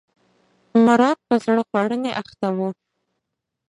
مراد په زړه خوړنې اخته و.